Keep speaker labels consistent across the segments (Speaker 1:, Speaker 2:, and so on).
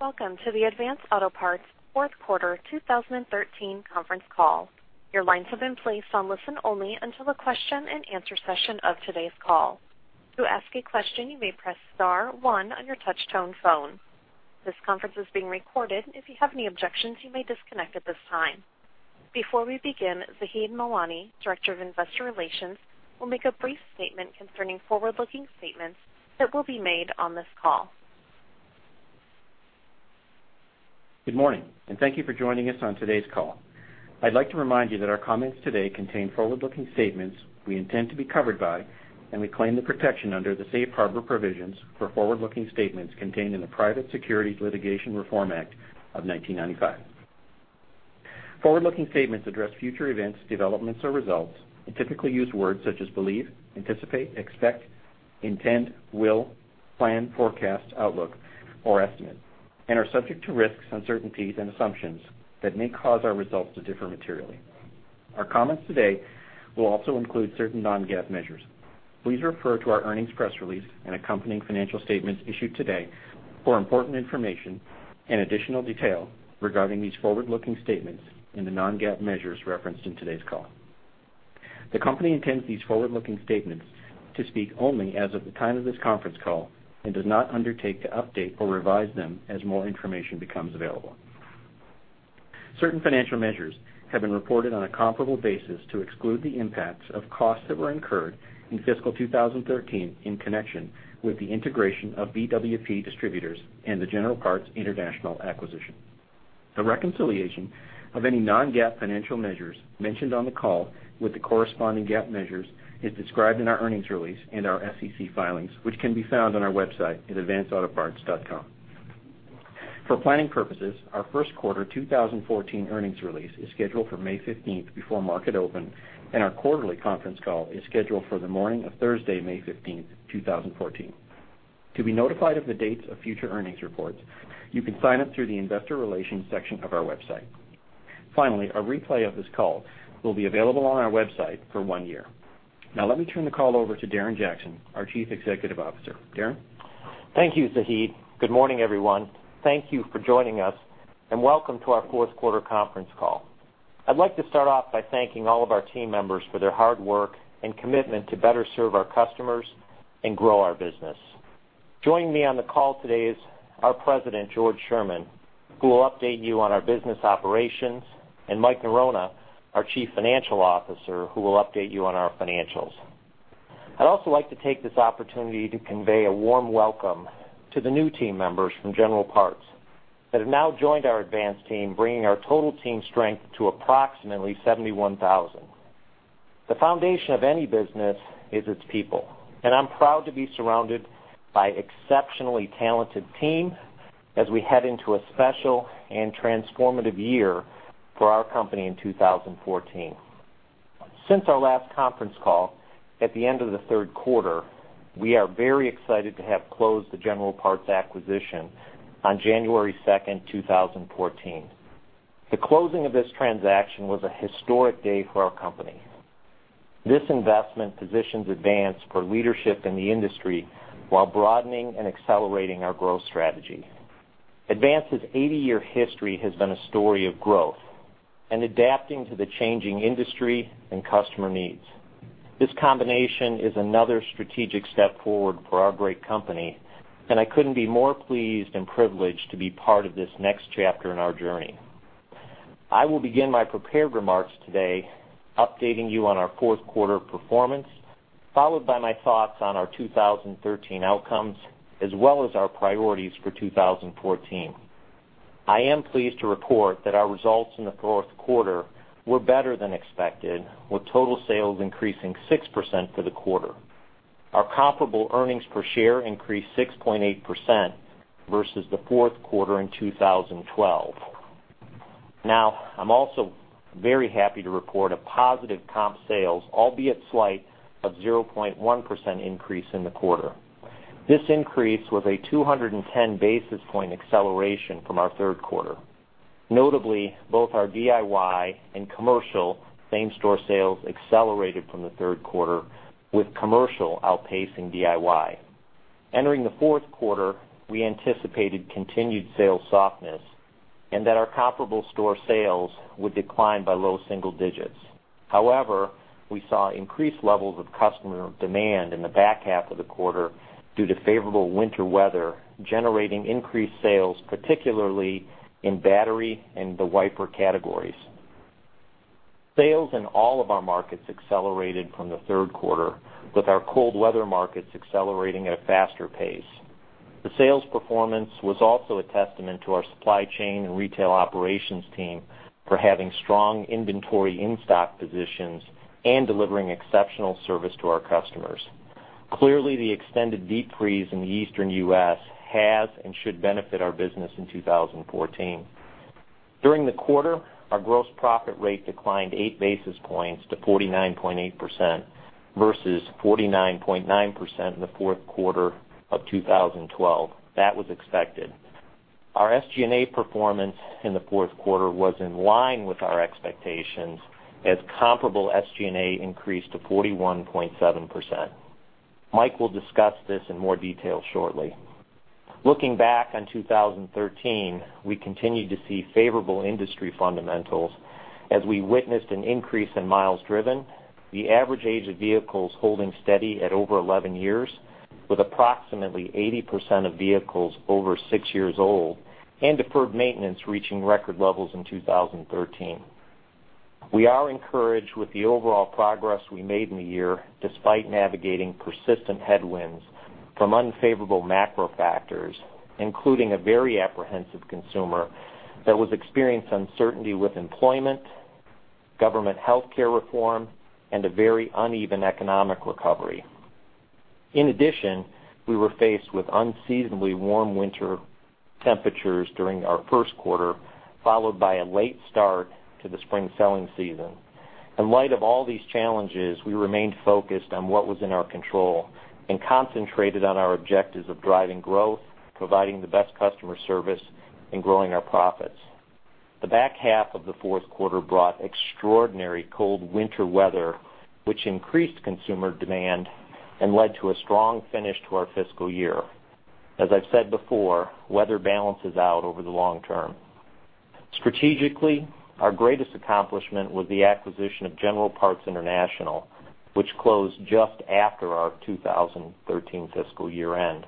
Speaker 1: Welcome to the Advance Auto Parts' fourth quarter 2013 conference call. Your lines have been placed on listen-only until the question and answer session of today's call. To ask a question, you may press star one on your touch-tone phone. This conference is being recorded. If you have any objections, you may disconnect at this time. Before we begin, Zahid Sadar, Director of Investor Relations, will make a brief statement concerning forward-looking statements that will be made on this call.
Speaker 2: Good morning, and thank you for joining us on today's call. I'd like to remind you that our comments today contain forward-looking statements we intend to be covered by, and we claim the protection under the Safe Harbor provisions for forward-looking statements contained in the Private Securities Litigation Reform Act of 1995. Forward-looking statements address future events, developments or results and typically use words such as believe, anticipate, expect, intend, will, plan, forecast, outlook, or estimate, and are subject to risks, uncertainties, and assumptions that may cause our results to differ materially. Our comments today will also include certain non-GAAP measures. Please refer to our earnings press release and accompanying financial statements issued today for important information and additional detail regarding these forward-looking statements and the non-GAAP measures referenced in today's call. The company intends these forward-looking statements to speak only as of the time of this conference call and does not undertake to update or revise them as more information becomes available. Certain financial measures have been reported on a comparable basis to exclude the impacts of costs that were incurred in fiscal 2013 in connection with the integration of BWP Distributors and the General Parts International acquisition. A reconciliation of any non-GAAP financial measures mentioned on the call with the corresponding GAAP measures is described in our earnings release and our SEC filings, which can be found on our website at advanceautoparts.com. For planning purposes, our first quarter 2014 earnings release is scheduled for May 15th before market open, and our quarterly conference call is scheduled for the morning of Thursday, May 15th, 2014. To be notified of the dates of future earnings reports, you can sign up through the investor relations section of our website. Finally, a replay of this call will be available on our website for one year. Now let me turn the call over to Darren Jackson, our Chief Executive Officer. Darren?
Speaker 3: Thank you, Zahid. Good morning, everyone. Thank you for joining us, and welcome to our fourth-quarter conference call. I'd like to start off by thanking all of our team members for their hard work and commitment to better serve our customers and grow our business. Joining me on the call today is our President, George Sherman, who will update you on our business operations, and Mike Norona, our Chief Financial Officer, who will update you on our financials. I'd also like to take this opportunity to convey a warm welcome to the new team members from General Parts that have now joined our Advance team, bringing our total team strength to approximately 71,000. The foundation of any business is its people, and I'm proud to be surrounded by exceptionally talented team as we head into a special and transformative year for our company in 2014. Since our last conference call at the end of the third quarter, we are very excited to have closed the General Parts acquisition on January 2, 2014. The closing of this transaction was a historic day for our company. This investment positions Advance for leadership in the industry while broadening and accelerating our growth strategy. Advance's 80-year history has been a story of growth and adapting to the changing industry and customer needs. This combination is another strategic step forward for our great company, and I couldn't be more pleased and privileged to be part of this next chapter in our journey. I will begin my prepared remarks today updating you on our fourth-quarter performance, followed by my thoughts on our 2013 outcomes, as well as our priorities for 2014. I am pleased to report that our results in the fourth quarter were better than expected, with total sales increasing 6% for the quarter. Our comparable earnings per share increased 6.8% versus the fourth quarter in 2012. I'm also very happy to report a positive comp sales, albeit slight, of 0.1% increase in the quarter. This increase was a 210-basis point acceleration from our third quarter. Notably, both our DIY and commercial same-store sales accelerated from the third quarter, with commercial outpacing DIY. Entering the fourth quarter, we anticipated continued sales softness and that our comparable store sales would decline by low single digits. We saw increased levels of customer demand in the back half of the quarter due to favorable winter weather, generating increased sales, particularly in battery and the wiper categories. Sales in all of our markets accelerated from the third quarter, with our cold weather markets accelerating at a faster pace. The sales performance was also a testament to our supply chain and retail operations team for having strong inventory in-stock positions and delivering exceptional service to our customers. Clearly, the extended deep freeze in the Eastern U.S. has and should benefit our business in 2014. During the quarter, our gross profit rate declined 8 basis points to 49.8% versus 49.9% in the fourth quarter of 2012. That was expected. Our SG&A performance in the fourth quarter was in line with our expectations, as comparable SG&A increased to 41.7%. Mike will discuss this in more detail shortly. Looking back on 2013, we continued to see favorable industry fundamentals as we witnessed an increase in miles driven, the average age of vehicles holding steady at over 11 years, with approximately 80% of vehicles over six years old, and deferred maintenance reaching record levels in 2013. We are encouraged with the overall progress we made in the year, despite navigating persistent headwinds from unfavorable macro factors, including a very apprehensive consumer that was experiencing uncertainty with employment, government healthcare reform, and a very uneven economic recovery. In addition, we were faced with unseasonably warm winter temperatures during our first quarter, followed by a late start to the spring selling season. In light of all these challenges, we remained focused on what was in our control and concentrated on our objectives of driving growth, providing the best customer service, and growing our profits. The back half of the fourth quarter brought extraordinary cold winter weather, which increased consumer demand and led to a strong finish to our fiscal year. As I've said before, weather balances out over the long term. Strategically, our greatest accomplishment was the acquisition of General Parts International, which closed just after our 2013 fiscal year-end.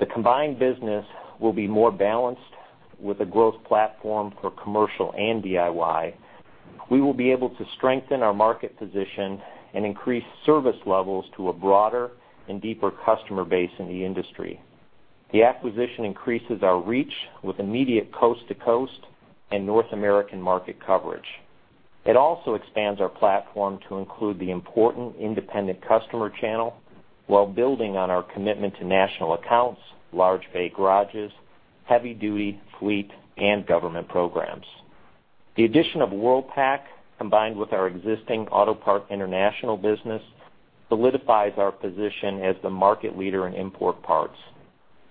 Speaker 3: The combined business will be more balanced with a growth platform for commercial and DIY. We will be able to strengthen our market position and increase service levels to a broader and deeper customer base in the industry. The acquisition increases our reach with immediate coast-to-coast and North American market coverage. It also expands our platform to include the important independent customer channel, while building on our commitment to national accounts, large bay garages, heavy duty, fleet, and government programs. The addition of Worldpac, combined with our existing Autopart International business, solidifies our position as the market leader in import parts.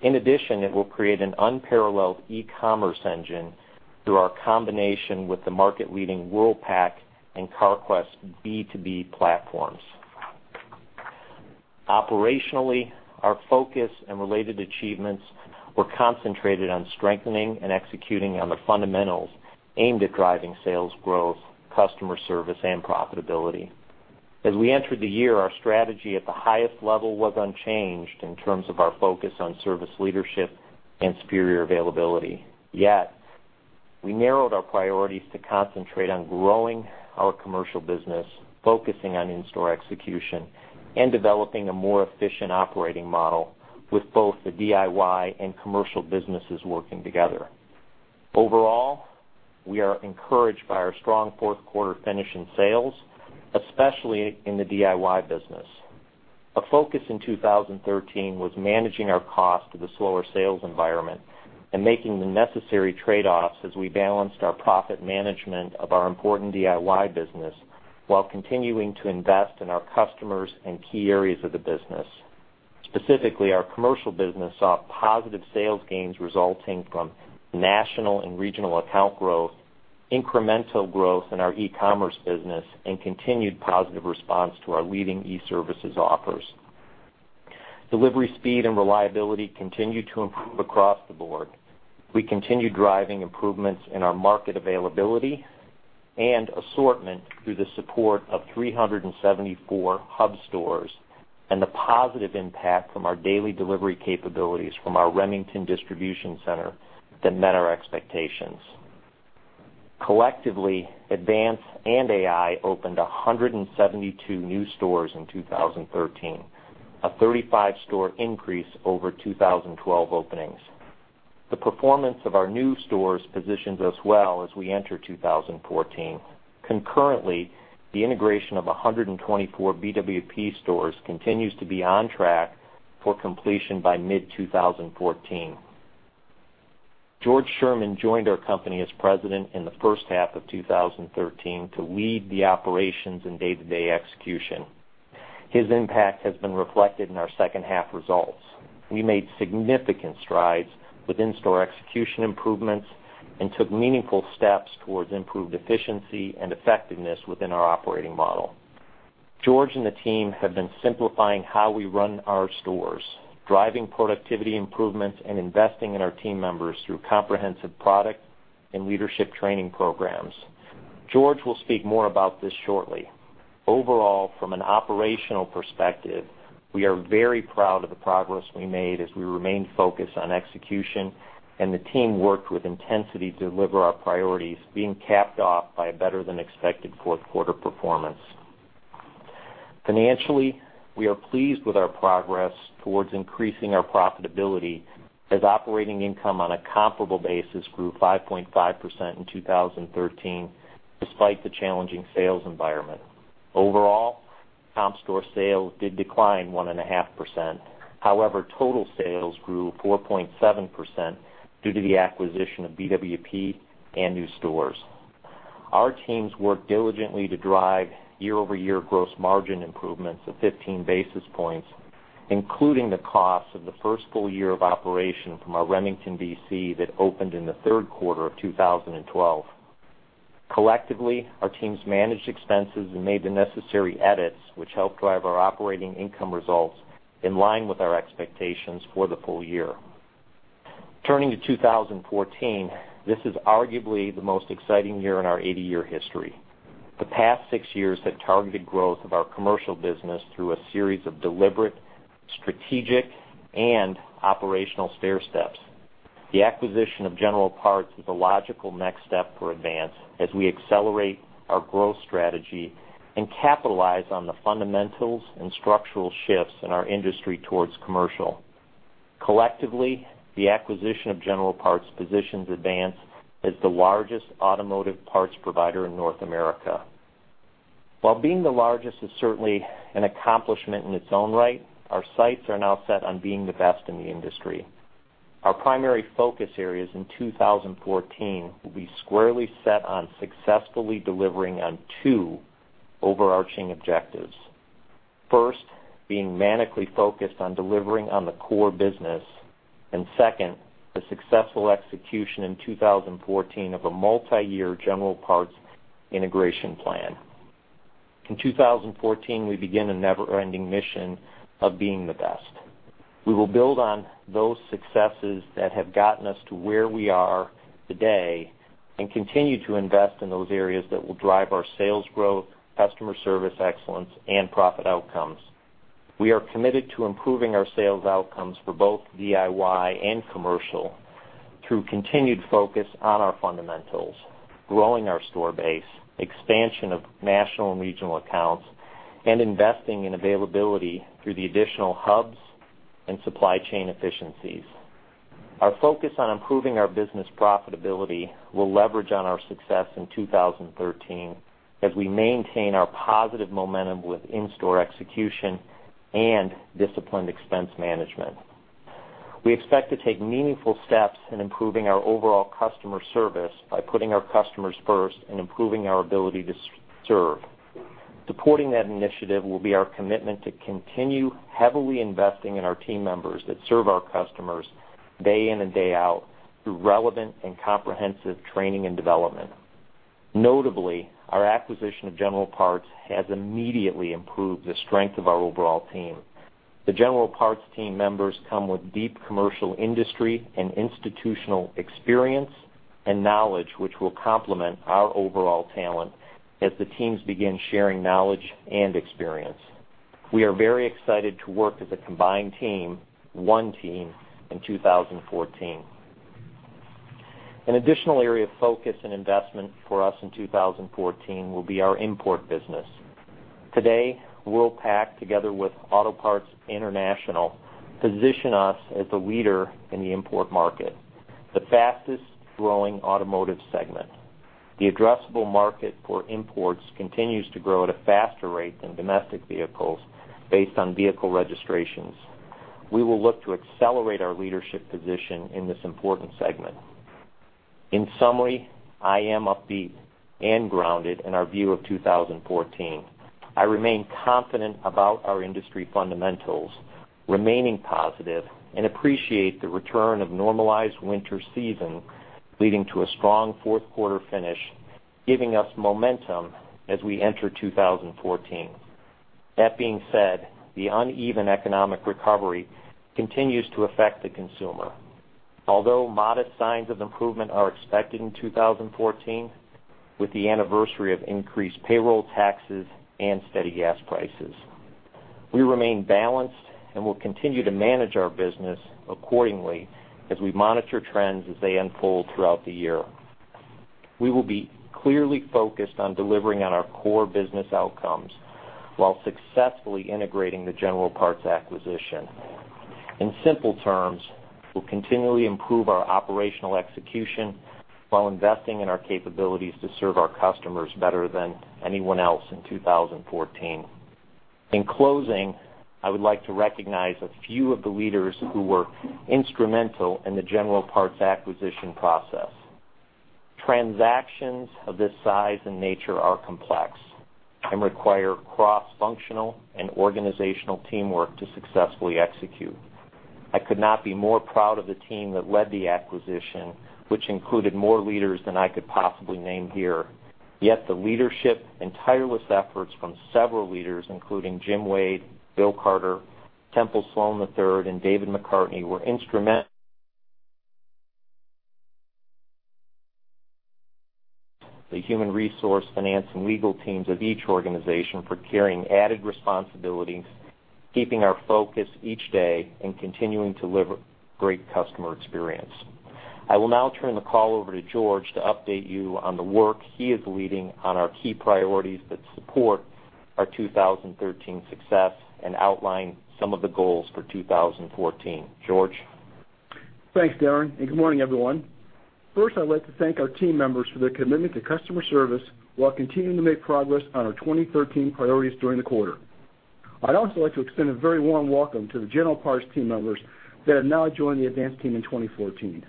Speaker 3: In addition, it will create an unparalleled e-commerce engine through our combination with the market-leading Worldpac and Carquest B2B platforms. Operationally, our focus and related achievements were concentrated on strengthening and executing on the fundamentals aimed at driving sales growth, customer service, and profitability. As we entered the year, our strategy at the highest level was unchanged in terms of our focus on service leadership and superior availability. Yet, we narrowed our priorities to concentrate on growing our commercial business, focusing on in-store execution, and developing a more efficient operating model with both the DIY and commercial businesses working together. Overall, we are encouraged by our strong fourth quarter finish in sales, especially in the DIY business. A focus in 2013 was managing our cost to the slower sales environment and making the necessary trade-offs as we balanced our profit management of our important DIY business while continuing to invest in our customers and key areas of the business. Specifically, our commercial business saw positive sales gains resulting from national and regional account growth, incremental growth in our e-commerce business, and continued positive response to our leading e-services offers. Delivery speed and reliability continued to improve across the board. We continued driving improvements in our market availability and assortment through the support of 374 hub stores and the positive impact from our daily delivery capabilities from our Remington Distribution Center that met our expectations. Collectively, Advance and AI opened 172 new stores in 2013, a 35-store increase over 2012 openings. The performance of our new stores positions us well as we enter 2014. The integration of 124 BWP stores continues to be on track for completion by mid-2014. George Sherman joined our company as President in the first half of 2013 to lead the operations and day-to-day execution. His impact has been reflected in our second half results. We made significant strides with in-store execution improvements and took meaningful steps towards improved efficiency and effectiveness within our operating model. George and the team have been simplifying how we run our stores, driving productivity improvements, and investing in our team members through comprehensive product and leadership training programs. George will speak more about this shortly. Overall, from an operational perspective, we are very proud of the progress we made as we remained focused on execution, and the team worked with intensity to deliver our priorities, being capped off by a better than expected fourth quarter performance. We are pleased with our progress towards increasing our profitability as operating income on a comparable basis grew 5.5% in 2013, despite the challenging sales environment. Overall, comp store sales did decline 1.5%. Total sales grew 4.7% due to the acquisition of BWP and new stores. Our teams worked diligently to drive year-over-year gross margin improvements of 15 basis points, including the cost of the first full year of operation from our Remington DC that opened in the third quarter of 2012. Collectively, our teams managed expenses and made the necessary edits, which helped drive our operating income results in line with our expectations for the full year. This is arguably the most exciting year in our 80-year history. The past six years have targeted growth of our commercial business through a series of deliberate, strategic, and operational stair steps. The acquisition of General Parts is a logical next step for Advance as we accelerate our growth strategy and capitalize on the fundamentals and structural shifts in our industry towards commercial. Collectively, the acquisition of General Parts positions Advance as the largest automotive parts provider in North America. While being the largest is certainly an accomplishment in its own right, our sights are now set on being the best in the industry. Our primary focus areas in 2014 will be squarely set on successfully delivering on two overarching objectives. First, being manically focused on delivering on the core business, and second, the successful execution in 2014 of a multi-year General Parts integration plan. We begin a never-ending mission of being the best. We will build on those successes that have gotten us to where we are today and continue to invest in those areas that will drive our sales growth, customer service excellence, and profit outcomes. We are committed to improving our sales outcomes for both DIY and commercial through continued focus on our fundamentals, growing our store base, expansion of national and regional accounts, and investing in availability through the additional hubs and supply chain efficiencies. Our focus on improving our business profitability will leverage on our success in 2013 as we maintain our positive momentum with in-store execution and disciplined expense management. We expect to take meaningful steps in improving our overall customer service by putting our customers first and improving our ability to serve. Supporting that initiative will be our commitment to continue heavily investing in our team members that serve our customers day in and day out through relevant and comprehensive training and development. Notably, our acquisition of General Parts has immediately improved the strength of our overall team. The General Parts team members come with deep commercial industry and institutional experience and knowledge, which will complement our overall talent as the teams begin sharing knowledge and experience. We are very excited to work as a combined team, one team, in 2014. An additional area of focus and investment for us in 2014 will be our import business. Today, Worldpac, together with Autopart International, position us as the leader in the import market, the fastest-growing automotive segment. The addressable market for imports continues to grow at a faster rate than domestic vehicles based on vehicle registrations. We will look to accelerate our leadership position in this important segment. In summary, I am upbeat and grounded in our view of 2014. I remain confident about our industry fundamentals remaining positive and appreciate the return of normalized winter season, leading to a strong fourth quarter finish, giving us momentum as we enter 2014. That being said, the uneven economic recovery continues to affect the consumer, although modest signs of improvement are expected in 2014, with the anniversary of increased payroll taxes and steady gas prices. We remain balanced and will continue to manage our business accordingly as we monitor trends as they unfold throughout the year. We will be clearly focused on delivering on our core business outcomes while successfully integrating the General Parts acquisition. In simple terms, we'll continually improve our operational execution while investing in our capabilities to serve our customers better than anyone else in 2014. In closing, I would like to recognize a few of the leaders who were instrumental in the General Parts acquisition process. Transactions of this size and nature are complex and require cross-functional and organizational teamwork to successfully execute. I could not be more proud of the team that led the acquisition, which included more leaders than I could possibly name here. Yet the leadership and tireless efforts from several leaders, including Jim Wade, Bill Carter, Temple Sloan III, and David McCartney. The human resource, finance, and legal teams of each organization for carrying added responsibilities, keeping our focus each day, and continuing to deliver great customer experience. I will now turn the call over to George to update you on the work he is leading on our key priorities that support our 2013 success and outline some of the goals for 2014. George?
Speaker 4: Thanks, Darren. Good morning, everyone. First, I'd like to thank our team members for their commitment to customer service while continuing to make progress on our 2013 priorities during the quarter. I'd also like to extend a very warm welcome to the General Parts team members that have now joined the Advance team in 2014.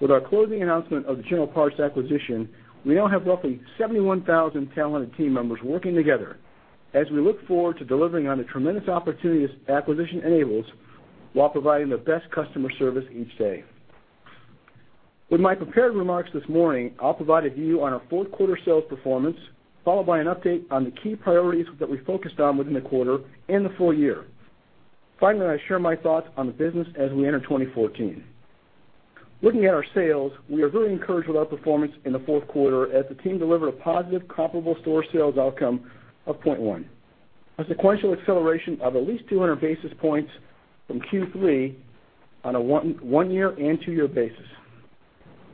Speaker 4: With our closing announcement of the General Parts acquisition, we now have roughly 71,000 talented team members working together as we look forward to delivering on the tremendous opportunities acquisition enables, while providing the best customer service each day. With my prepared remarks this morning, I'll provide a view on our fourth quarter sales performance, followed by an update on the key priorities that we focused on within the quarter and the full year. Finally, I'll share my thoughts on the business as we enter 2014. Looking at our sales, we are very encouraged with our performance in the fourth quarter as the team delivered a positive comparable store sales outcome of 0.1. A sequential acceleration of at least 200 basis points from Q3 on a one year and two year basis.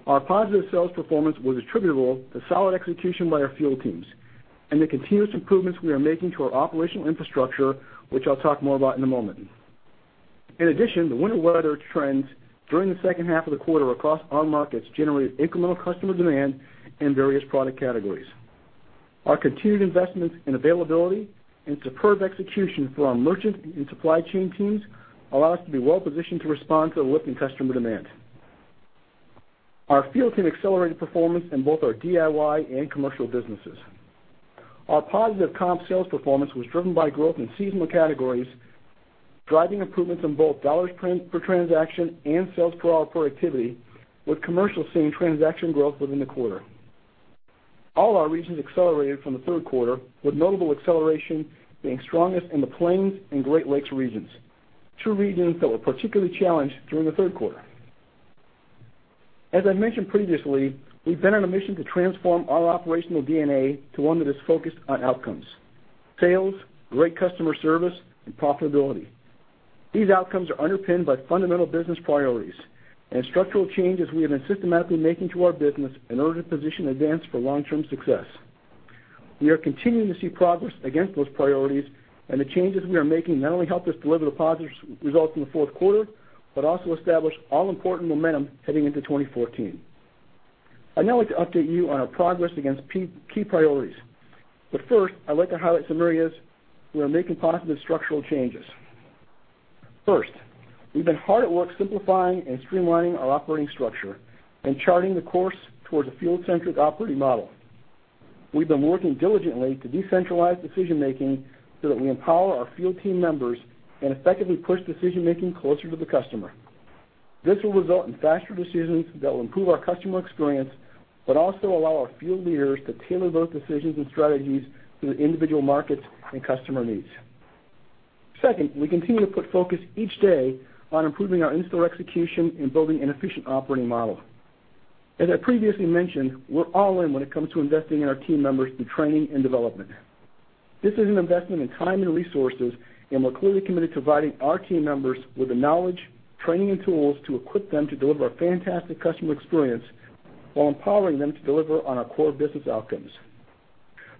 Speaker 4: Our positive sales performance was attributable to solid execution by our field teams and the continuous improvements we are making to our operational infrastructure, which I'll talk more about in a moment. In addition, the winter weather trends during the second half of the quarter across our markets generated incremental customer demand in various product categories. Our continued investments in availability and superb execution for our merchant and supply chain teams allow us to be well-positioned to respond to the lift in customer demand. Our field team accelerated performance in both our DIY and commercial businesses. Our positive comp sales performance was driven by growth in seasonal categories, driving improvements in both dollars per transaction and sales per hour productivity, with commercial seeing transaction growth within the quarter. All our regions accelerated from the third quarter, with notable acceleration being strongest in the Plains and Great Lakes regions, two regions that were particularly challenged during the third quarter. As I mentioned previously, we've been on a mission to transform our operational DNA to one that is focused on outcomes, sales, great customer service, and profitability. These outcomes are underpinned by fundamental business priorities and structural changes we have been systematically making to our business in order to position Advance for long-term success. We are continuing to see progress against those priorities. The changes we are making not only help us deliver the positive results in the fourth quarter, but also establish all-important momentum heading into 2014. I'd now like to update you on our progress against key priorities. First, I'd like to highlight some areas we are making positive structural changes. First, we've been hard at work simplifying and streamlining our operating structure and charting the course towards a field-centric operating model. We've been working diligently to decentralize decision-making so that we empower our field team members and effectively push decision-making closer to the customer. This will result in faster decisions that will improve our customer experience but also allow our field leaders to tailor those decisions and strategies to the individual markets and customer needs. Second, we continue to put focus each day on improving our in-store execution and building an efficient operating model. As I previously mentioned, we're all in when it comes to investing in our team members through training and development. This is an investment in time and resources, and we're clearly committed to providing our team members with the knowledge, training, and tools to equip them to deliver a fantastic customer experience while empowering them to deliver on our core business outcomes.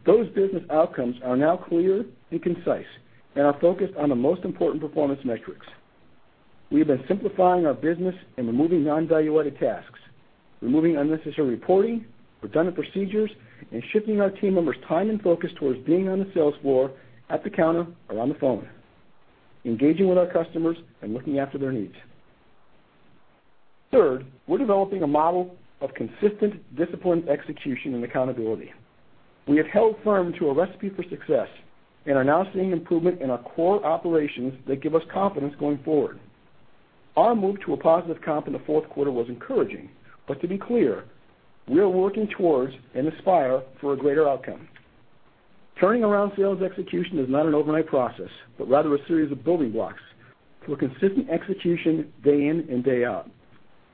Speaker 4: Those business outcomes are now clear and concise and are focused on the most important performance metrics. We have been simplifying our business and removing non-value-added tasks, removing unnecessary reporting, redundant procedures, and shifting our team members' time and focus towards being on the sales floor, at the counter or on the phone, engaging with our customers and looking after their needs. Third, we're developing a model of consistent, disciplined execution and accountability. We have held firm to a recipe for success and are now seeing improvement in our core operations that give us confidence going forward. Our move to a positive comp in the fourth quarter was encouraging, but to be clear, we are working towards and aspire for a greater outcome. Turning around sales execution is not an overnight process, but rather a series of building blocks for consistent execution day in and day out.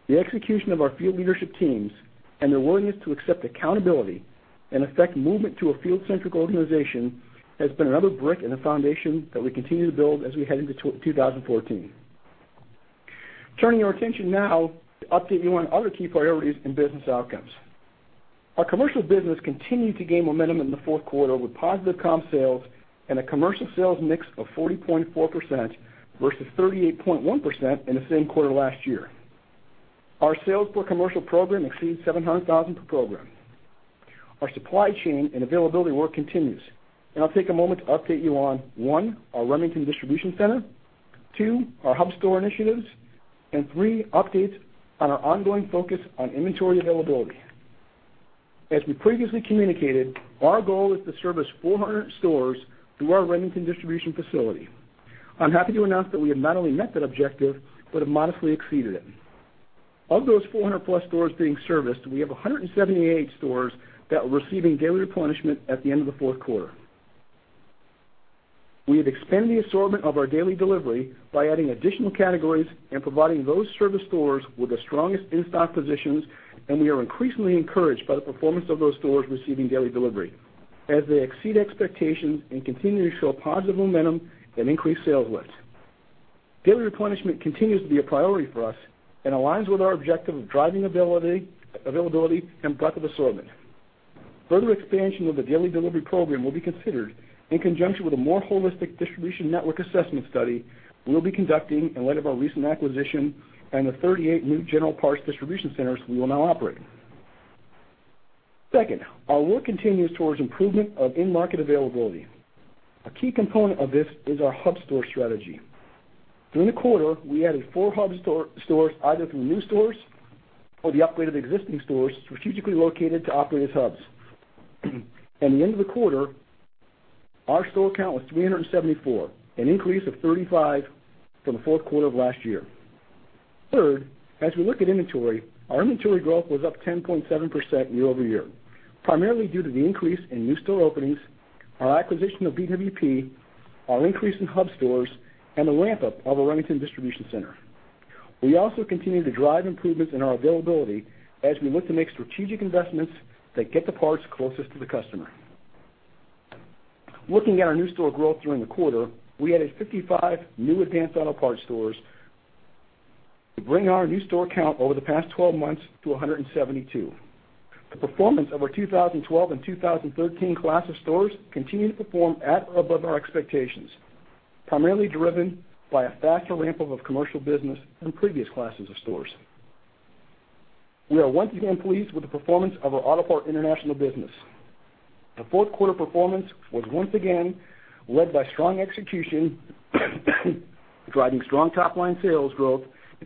Speaker 4: The execution of our field leadership teams and their willingness to accept accountability and affect movement to a field-centric organization has been another brick in the foundation that we continue to build as we head into 2014. Turning our attention now to update you on other key priorities and business outcomes. Our commercial business continued to gain momentum in the fourth quarter with positive comp sales and a commercial sales mix of 40.4% versus 38.1% in the same quarter last year. Our sales per commercial program exceeds $700,000 per program. Our supply chain and availability work continues, and I'll take a moment to update you on, 1, our Remington Distribution Center, 2, our hub store initiatives, and 3, updates on our ongoing focus on inventory availability. As we previously communicated, our goal is to service 400 stores through our Remington distribution facility. I'm happy to announce that we have not only met that objective, but have modestly exceeded it. Of those 400-plus stores being serviced, we have 178 stores that were receiving daily replenishment at the end of the fourth quarter. We have expanded the assortment of our daily delivery by adding additional categories and providing those service stores with the strongest in-stock positions, and we are increasingly encouraged by the performance of those stores receiving daily delivery as they exceed expectations and continue to show positive momentum and increased sales lift. Daily replenishment continues to be a priority for us and aligns with our objective of driving availability and breadth of assortment. Further expansion of the daily delivery program will be considered in conjunction with a more holistic distribution network assessment study we'll be conducting in light of our recent acquisition and the 38 new General Parts distribution centers we will now operate. Second, our work continues towards improvement of in-market availability. A key component of this is our hub store strategy. During the quarter, we added four hub stores, either through new stores or the upgrade of existing stores strategically located to operate as hubs. At the end of the quarter, our store count was 374, an increase of 35 from the fourth quarter of last year. Third, as we look at inventory, our inventory growth was up 10.7% year-over-year, primarily due to the increase in new store openings, our acquisition of BWP, our increase in hub stores, and the ramp-up of our Remington Distribution Center. We also continue to drive improvements in our availability as we look to make strategic investments that get the parts closest to the customer. Looking at our new store growth during the quarter, we added 55 new Advance Auto Parts stores to bring our new store count over the past 12 months to 172. The performance of our 2012 and 2013 class of stores continue to perform at or above our expectations, primarily driven by a faster ramp-up of commercial business than previous classes of stores. We are once again pleased with the performance of our Autopart International business. The fourth quarter performance was once again led by strong execution, driving strong top-line sales growth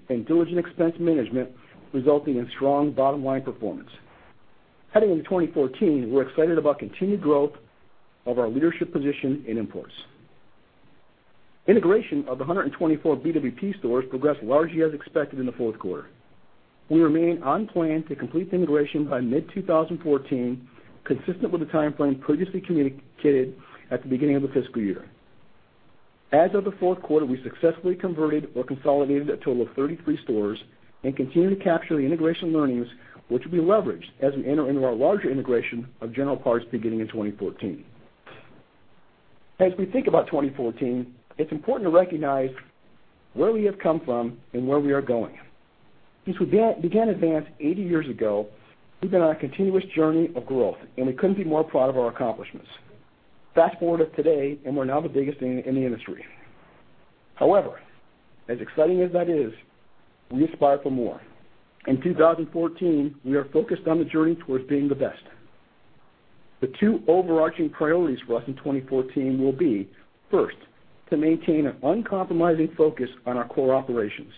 Speaker 4: and diligent expense management, resulting in strong bottom-line performance. Heading into 2014, we're excited about continued growth of our leadership position in imports. Integration of 124 BWP stores progressed largely as expected in the fourth quarter. We remain on plan to complete the integration by mid-2014, consistent with the timeframe previously communicated at the beginning of the fiscal year. As of the fourth quarter, we successfully converted or consolidated a total of 33 stores and continue to capture the integration learnings, which will be leveraged as we enter into our larger integration of General Parts beginning in 2014. As we think about 2014, it's important to recognize where we have come from and where we are going. Since we began Advance 80 years ago, we've been on a continuous journey of growth, and we couldn't be more proud of our accomplishments. Fast-forward to today, we're now the biggest thing in the industry. However, as exciting as that is, we aspire for more. In 2014, we are focused on the journey towards being the best. The two overarching priorities for us in 2014 will be, first, to maintain an uncompromising focus on our core operations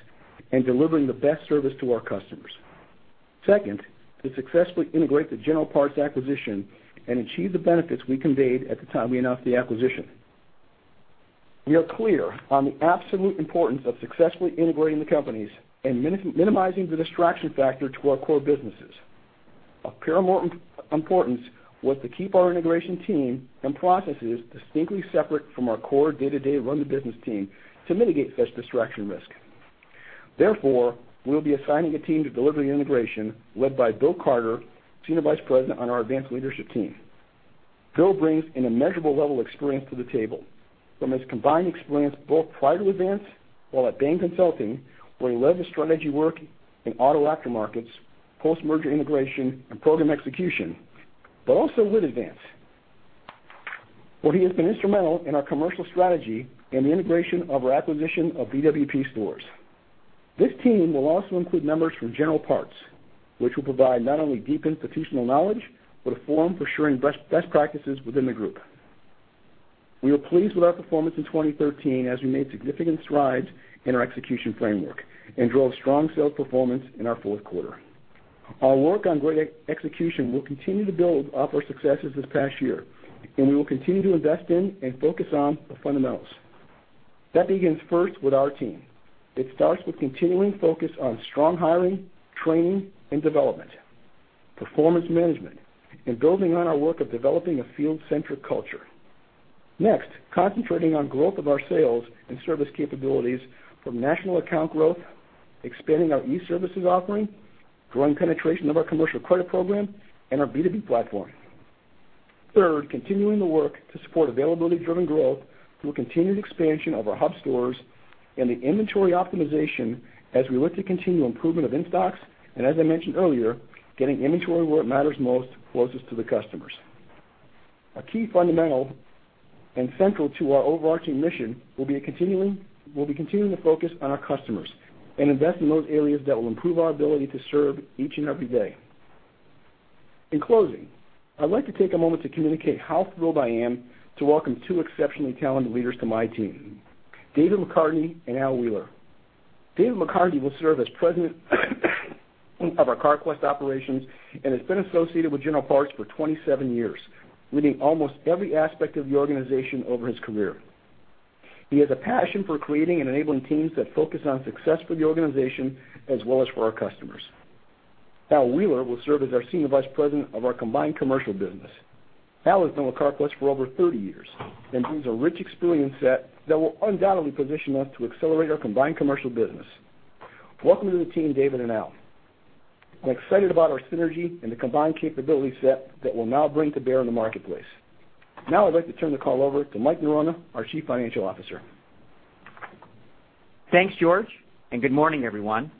Speaker 4: and delivering the best service to our customers. Second, to successfully integrate the General Parts acquisition and achieve the benefits we conveyed at the time we announced the acquisition. We are clear on the absolute importance of successfully integrating the companies and minimizing the distraction factor to our core businesses. Of paramount importance was to keep our integration team and processes distinctly separate from our core day-to-day run the business team to mitigate such distraction risk. Therefore, we'll be assigning a team to deliver the integration led by Bill Carter, Senior Vice President on our Advance leadership team. Bill brings an immeasurable level of experience to the table from his combined experience, both prior to Advance while at Bain & Company, where he led the strategy work in auto aftermarkets, post-merger integration, and program execution, but also with Advance, where he has been instrumental in our commercial strategy and the integration of our acquisition of BWP stores. This team will also include members from General Parts, which will provide not only deep institutional knowledge, but a forum for sharing best practices within the group. We are pleased with our performance in 2013 as we made significant strides in our execution framework and drove strong sales performance in our fourth quarter. Our work on great execution will continue to build off our successes this past year. We will continue to invest in and focus on the fundamentals. That begins first with our team. It starts with continuing focus on strong hiring, training, and development, performance management, and building on our work of developing a field-centric culture. Next, concentrating on growth of our sales and service capabilities from national account growth, expanding our e-services offering, growing penetration of our commercial credit program, and our B2B platform. Third, continuing the work to support availability-driven growth through a continued expansion of our hub stores and the inventory optimization as we look to continue improvement of in-stocks and, as I mentioned earlier, getting inventory where it matters most, closest to the customers. A key fundamental and central to our overarching mission will be continuing to focus on our customers and invest in those areas that will improve our ability to serve each and every day. In closing, I'd like to take a moment to communicate how thrilled I am to welcome two exceptionally talented leaders to my team, David McCartney and Al Wheeler. David McCartney will serve as President of our Carquest operations and has been associated with General Parts for 27 years, leading almost every aspect of the organization over his career. He has a passion for creating and enabling teams that focus on success for the organization as well as for our customers. Al Wheeler will serve as our Senior Vice President of our combined commercial business. Al has been with Carquest for over 30 years and brings a rich experience set that will undoubtedly position us to accelerate our combined commercial business. Welcome to the team, David and Al. I'm excited about our synergy and the combined capability set that we'll now bring to bear in the marketplace. I'd like to turn the call over to Mike Norona, our Chief Financial Officer.
Speaker 5: Thanks, George. Good morning, everyone.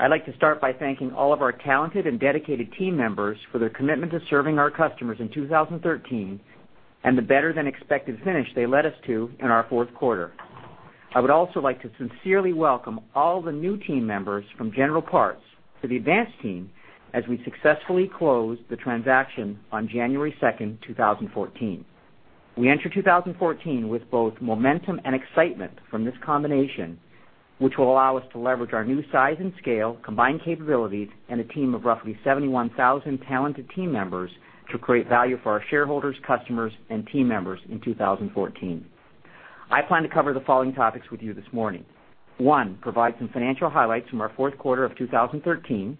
Speaker 5: I'd like to start by thanking all of our talented and dedicated team members for their commitment to serving our customers in 2013 and the better-than-expected finish they led us to in our fourth quarter. I would also like to sincerely welcome all the new team members from General Parts to the Advance team as we successfully closed the transaction on January 2, 2014. We enter 2014 with both momentum and excitement from this combination, which will allow us to leverage our new size and scale, combined capabilities, and a team of roughly 71,000 talented team members to create value for our shareholders, customers, and team members in 2014. I plan to cover the following topics with you this morning: One, provide some financial highlights from our fourth quarter of 2013.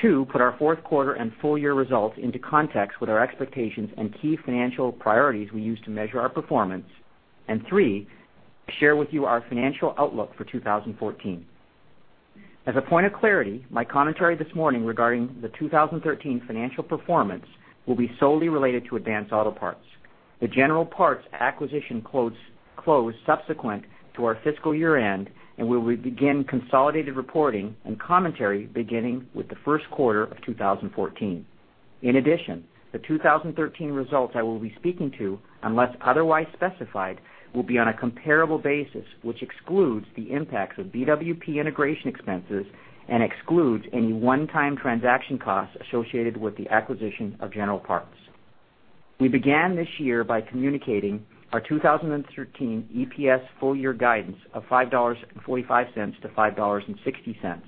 Speaker 5: Two, put our fourth quarter and full year results into context with our expectations and key financial priorities we use to measure our performance. Three, share with you our financial outlook for 2014. As a point of clarity, my commentary this morning regarding the 2013 financial performance will be solely related to Advance Auto Parts. The General Parts acquisition closed subsequent to our fiscal year-end and where we begin consolidated reporting and commentary beginning with the first quarter of 2014. In addition, the 2013 results I will be speaking to, unless otherwise specified, will be on a comparable basis, which excludes the impacts of BWP integration expenses and excludes any one-time transaction costs associated with the acquisition of General Parts. We began this year by communicating our 2013 EPS full-year guidance of $5.45 to $5.60,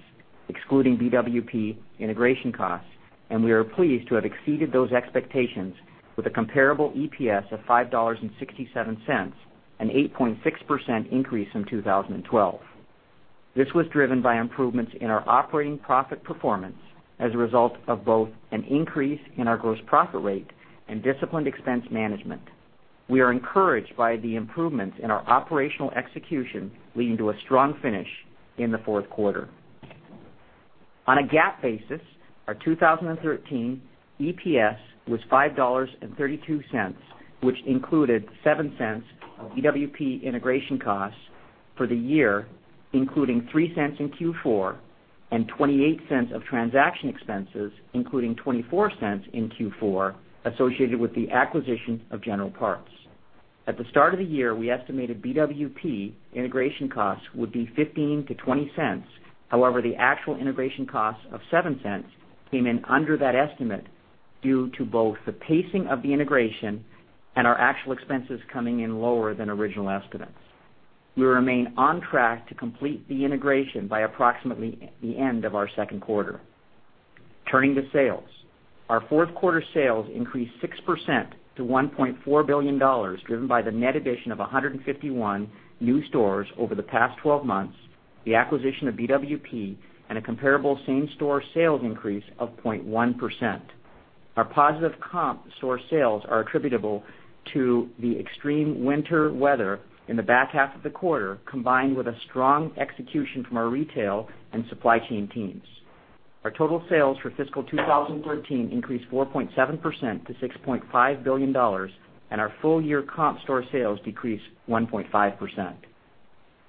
Speaker 5: excluding BWP integration costs, and we are pleased to have exceeded those expectations with a comparable EPS of $5.67, an 8.6% increase from 2012. This was driven by improvements in our operating profit performance as a result of both an increase in our gross profit rate and disciplined expense management. We are encouraged by the improvements in our operational execution, leading to a strong finish in the fourth quarter. On a GAAP basis, our 2013 EPS was $5.32, which included $0.07 of BWP integration costs for the year, including $0.03 in Q4 and $0.28 of transaction expenses, including $0.24 in Q4 associated with the acquisition of General Parts. At the start of the year, we estimated BWP integration costs would be $0.15 to $0.20. However, the actual integration cost of $0.07 came in under that estimate due to both the pacing of the integration and our actual expenses coming in lower than original estimates. We remain on track to complete the integration by approximately the end of our second quarter. Turning to sales. Our fourth quarter sales increased 6% to $1.4 billion, driven by the net addition of 151 new stores over the past 12 months, the acquisition of BWP, and a comparable same-store sales increase of 0.1%. Our positive comp store sales are attributable to the extreme winter weather in the back half of the quarter, combined with a strong execution from our retail and supply chain teams. Our total sales for fiscal 2013 increased 4.7% to $6.5 billion, and our full-year comp store sales decreased 1.5%.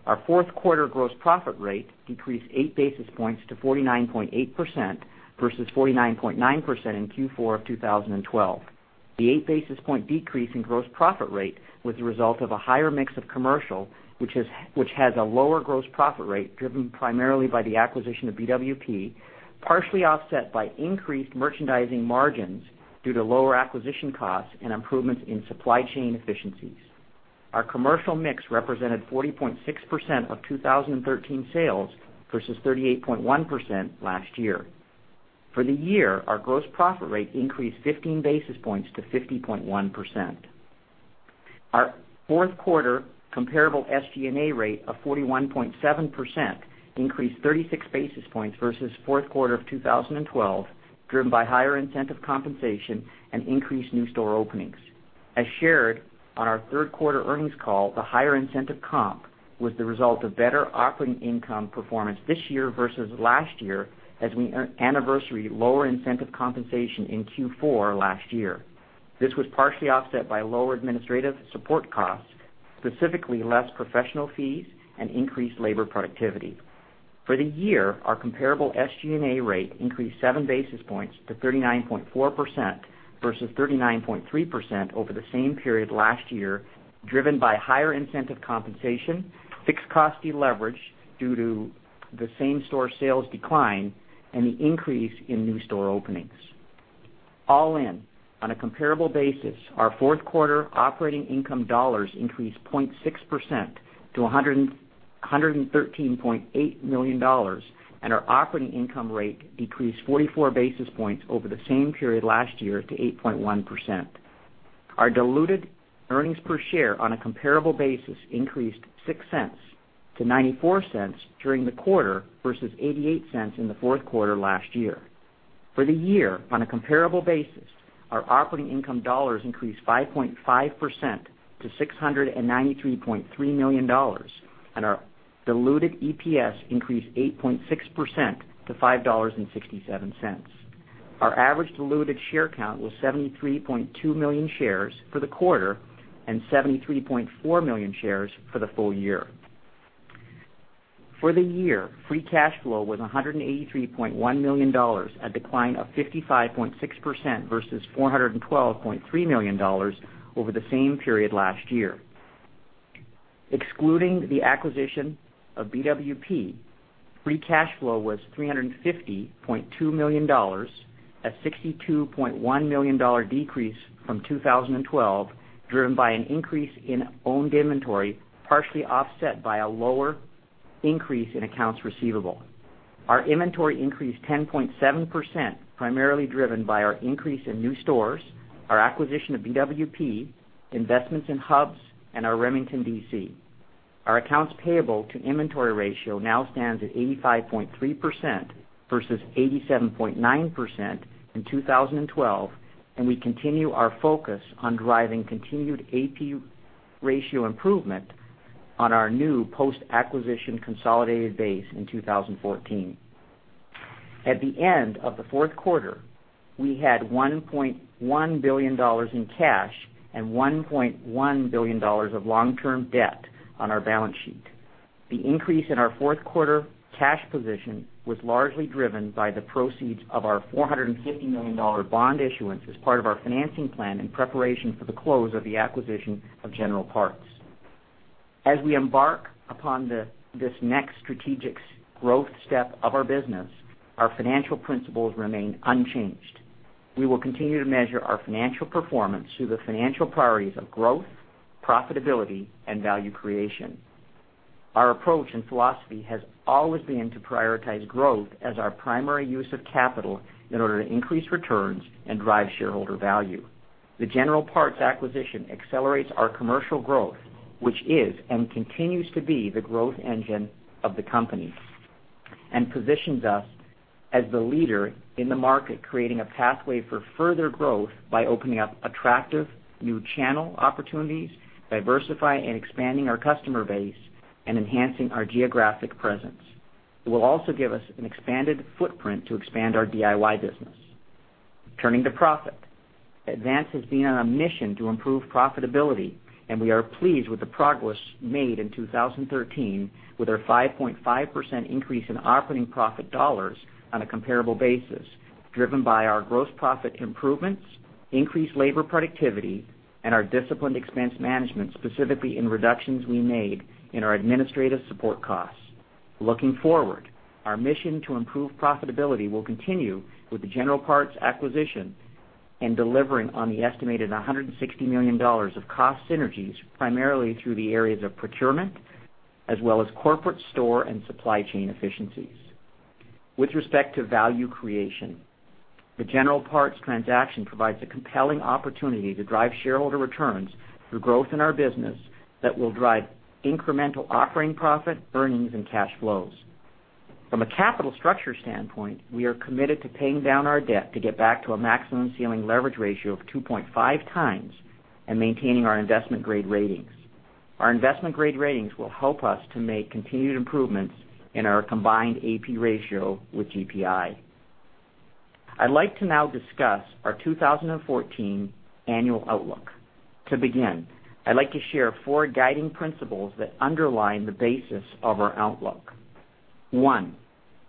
Speaker 5: Our fourth quarter gross profit rate decreased eight basis points to 49.8% versus 49.9% in Q4 of 2012. The eight basis point decrease in gross profit rate was the result of a higher mix of commercial, which has a lower gross profit rate, driven primarily by the acquisition of BWP, partially offset by increased merchandising margins due to lower acquisition costs and improvements in supply chain efficiencies. Our commercial mix represented 40.6% of 2013 sales versus 38.1% last year. For the year, our gross profit rate increased 15 basis points to 50.1%. Our fourth quarter comparable SG&A rate of 41.7% increased 36 basis points versus fourth quarter of 2012, driven by higher incentive compensation and increased new store openings. As shared on our third-quarter earnings call, the higher incentive comp was the result of better operating income performance this year versus last year as we anniversary lower incentive compensation in Q4 last year. This was partially offset by lower administrative support costs, specifically less professional fees and increased labor productivity. For the year, our comparable SG&A rate increased seven basis points to 39.4% versus 39.3% over the same period last year, driven by higher incentive compensation, fixed cost deleverage due to the same-store sales decline, and the increase in new store openings. All in, on a comparable basis, our fourth quarter operating income dollars increased 0.6% to $113.8 million, and our operating income rate decreased 44 basis points over the same period last year to 8.1%. Our diluted earnings per share on a comparable basis increased $0.06 to $0.94 during the quarter versus $0.88 in the fourth quarter last year. For the year, on a comparable basis, our operating income dollars increased 5.5% to $693.3 million, and our diluted EPS increased 8.6% to $5.67. Our average diluted share count was 73.2 million shares for the quarter and 73.4 million shares for the full year. For the year, free cash flow was $183.1 million, a decline of 55.6% versus $412.3 million over the same period last year. Excluding the acquisition of BWP, free cash flow was $350.2 million, a $62.1 million decrease from 2012, driven by an increase in owned inventory, partially offset by a lower increase in accounts receivable. Our inventory increased 10.7%, primarily driven by our increase in new stores, our acquisition of BWP, investments in hubs, and our Remington DC. Our accounts payable to inventory ratio now stands at 85.3% versus 87.9% in 2012, and we continue our focus on driving continued AP ratio improvement on our new post-acquisition consolidated base in 2014. At the end of the fourth quarter, we had $1.1 billion in cash and $1.1 billion of long-term debt on our balance sheet. The increase in our fourth-quarter cash position was largely driven by the proceeds of our $450 million bond issuance as part of our financing plan in preparation for the close of the acquisition of General Parts. As we embark upon this next strategic growth step of our business, our financial principles remain unchanged. We will continue to measure our financial performance through the financial priorities of growth, profitability, and value creation. Our approach and philosophy has always been to prioritize growth as our primary use of capital in order to increase returns and drive shareholder value. The General Parts acquisition accelerates our commercial growth, which is and continues to be the growth engine of the company, and positions us as the leader in the market, creating a pathway for further growth by opening up attractive new channel opportunities, diversifying and expanding our customer base, and enhancing our geographic presence. It will also give us an expanded footprint to expand our DIY business. Turning to profit. Advance has been on a mission to improve profitability, and we are pleased with the progress made in 2013 with our 5.5% increase in operating profit dollars on a comparable basis, driven by our gross profit improvements, increased labor productivity, and our disciplined expense management, specifically in reductions we made in our administrative support costs. Looking forward, our mission to improve profitability will continue with the General Parts acquisition and delivering on the estimated $160 million of cost synergies, primarily through the areas of procurement, as well as corporate store and supply chain efficiencies. With respect to value creation, the General Parts transaction provides a compelling opportunity to drive shareholder returns through growth in our business that will drive incremental operating profit, earnings, and cash flows. From a capital structure standpoint, we are committed to paying down our debt to get back to a maximum ceiling leverage ratio of 2.5 times and maintaining our investment-grade ratings. Our investment-grade ratings will help us to make continued improvements in our combined AP ratio with GPI. I'd like to now discuss our 2014 annual outlook. To begin, I'd like to share four guiding principles that underline the basis of our outlook. One,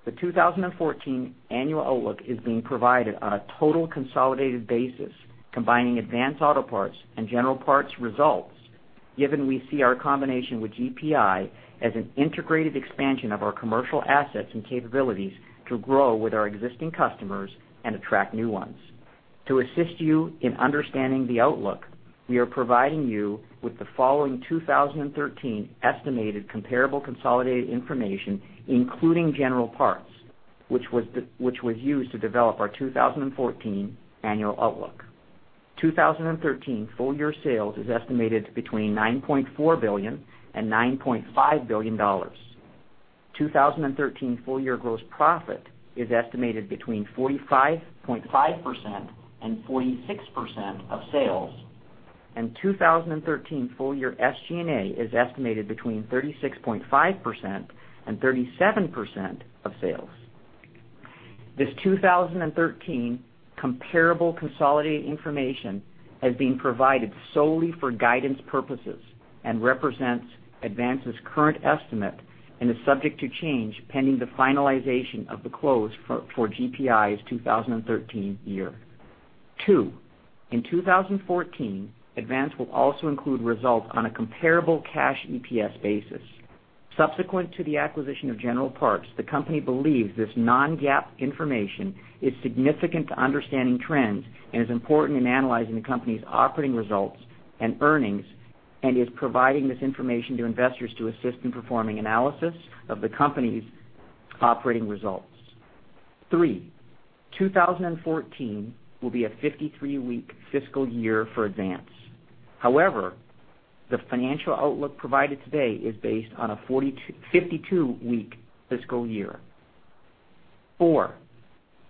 Speaker 5: the 2014 annual outlook is being provided on a total consolidated basis, combining Advance Auto Parts and General Parts results, given we see our combination with GPI as an integrated expansion of our commercial assets and capabilities to grow with our existing customers and attract new ones. To assist you in understanding the outlook, we are providing you with the following 2013 estimated comparable consolidated information, including General Parts, which was used to develop our 2014 annual outlook. 2013 full-year sales is estimated between $9.4 billion and $9.5 billion. 2013 full-year gross profit is estimated between 45.5% and 46% of sales. 2013 full-year SG&A is estimated between 36.5% and 37% of sales. This 2013 comparable consolidated information has been provided solely for guidance purposes and represents Advance's current estimate and is subject to change pending the finalization of the close for GPI's 2013 year. Two, in 2014, Advance will also include results on a comparable cash EPS basis. Subsequent to the acquisition of General Parts, the company believes this non-GAAP information is significant to understanding trends and is important in analyzing the company's operating results and earnings and is providing this information to investors to assist in performing analysis of the company's operating results. Three, 2014 will be a 53-week fiscal year for Advance. However, the financial outlook provided today is based on a 52-week fiscal year. Four,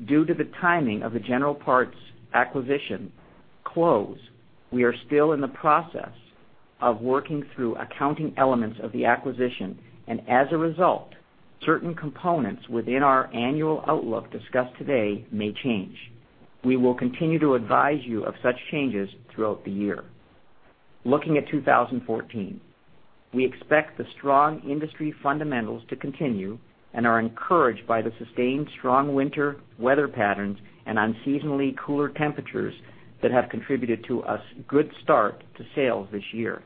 Speaker 5: due to the timing of the General Parts acquisition close, we are still in the process of working through accounting elements of the acquisition, and as a result, certain components within our annual outlook discussed today may change. We will continue to advise you of such changes throughout the year. Looking at 2014, we expect the strong industry fundamentals to continue and are encouraged by the sustained strong winter weather patterns and unseasonably cooler temperatures that have contributed to a good start to sales this year.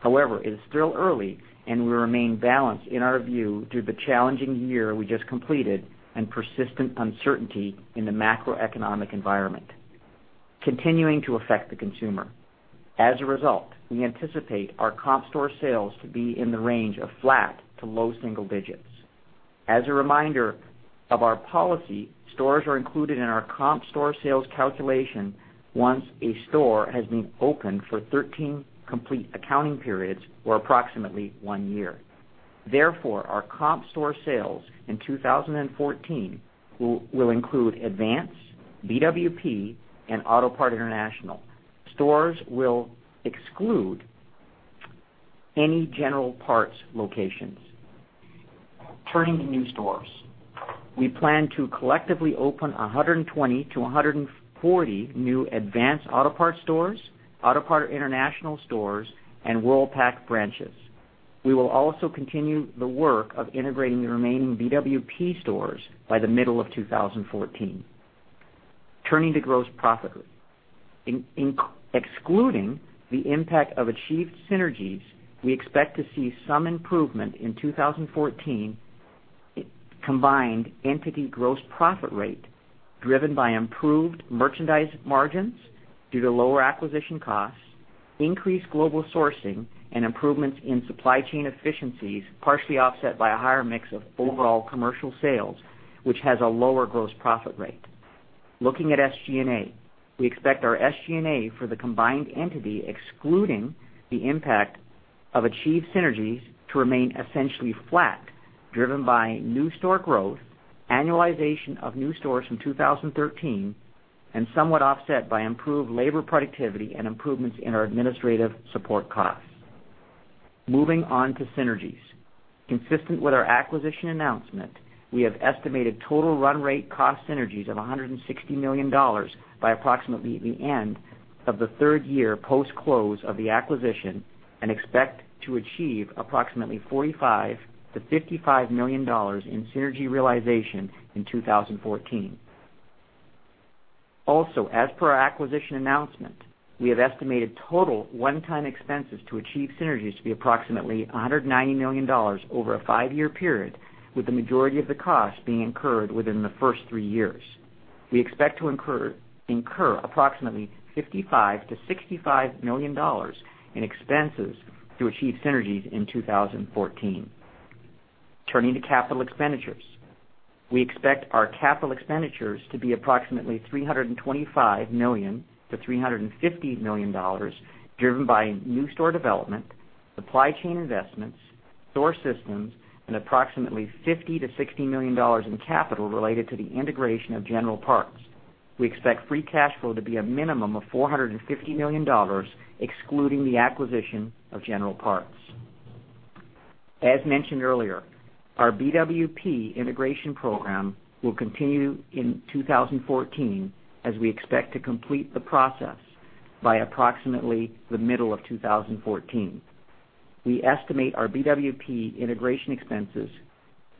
Speaker 5: However, it is still early, and we remain balanced in our view due to the challenging year we just completed and persistent uncertainty in the macroeconomic environment continuing to affect the consumer. As a result, we anticipate our comp store sales to be in the range of flat to low single digits. As a reminder of our policy, stores are included in our comp store sales calculation once a store has been open for 13 complete accounting periods or approximately one year. Therefore, our comp store sales in 2014 will include Advance, BWP, and Autopart International. Stores will exclude any General Parts locations. Turning to new stores. We plan to collectively open 120 to 140 new Advance Auto Parts stores, Autopart International stores, and Worldpac branches. We will also continue the work of integrating the remaining BWP stores by the middle of 2014. Turning to gross profit. Excluding the impact of achieved synergies, we expect to see some improvement in 2014 combined entity gross profit rate, driven by improved merchandise margins due to lower acquisition costs, increased global sourcing, and improvements in supply chain efficiencies, partially offset by a higher mix of overall commercial sales, which has a lower gross profit rate. Looking at SG&A, we expect our SG&A for the combined entity, excluding the impact of achieved synergies, to remain essentially flat, driven by new store growth, annualization of new stores from 2013, somewhat offset by improved labor productivity and improvements in our administrative support costs. Moving on to synergies. Consistent with our acquisition announcement, we have estimated total run rate cost synergies of $160 million by approximately the end of the third year post-close of the acquisition and expect to achieve approximately $45 million-$55 million in synergy realization in 2014. Also, as per our acquisition announcement, we have estimated total one-time expenses to achieve synergies to be approximately $190 million over a five-year period, with the majority of the cost being incurred within the first three years. We expect to incur approximately $55 million-$65 million in expenses to achieve synergies in 2014. Turning to capital expenditures. We expect our capital expenditures to be approximately $325 million-$350 million, driven by new store development, supply chain investments, store systems, and approximately $50 million-$60 million in capital related to the integration of General Parts. We expect free cash flow to be a minimum of $450 million, excluding the acquisition of General Parts. As mentioned earlier, our BWP integration program will continue in 2014, as we expect to complete the process by approximately the middle of 2014. We estimate our BWP integration expenses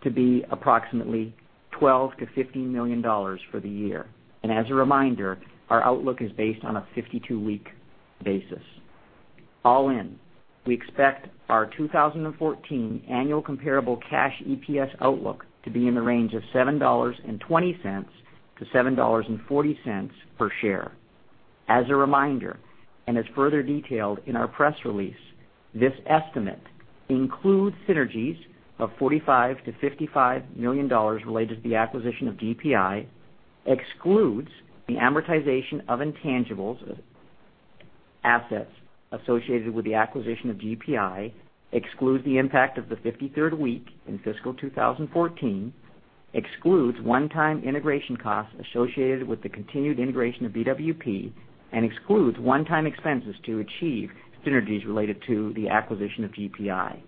Speaker 5: to be approximately $12 million-$15 million for the year. As a reminder, our outlook is based on a 52-week basis. All in, we expect our 2014 annual comparable cash EPS outlook to be in the range of $7.20-$7.40 per share. As a reminder, as further detailed in our press release, this estimate includes synergies of $45 million-$55 million related to the acquisition of GPI, excludes the amortization of intangibles assets associated with the acquisition of GPI, excludes the impact of the 53rd week in fiscal 2014, excludes one-time integration costs associated with the continued integration of BWP, excludes one-time expenses to achieve synergies related to the acquisition of GPI.